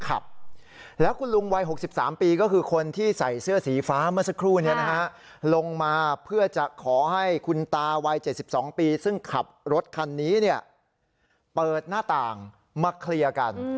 ขับแล้วคุณลุงวัย๖๓ปีก็คือคนที่ใส่เสื้อสีฟ้าเมื่อสักครู่นี้นะฮะลงมาเพื่อจะขอให้คุณตาวัย๗๒ปีซึ่งขับรถคันนี้เปิดหน้าต่างมาเคลียร์กัน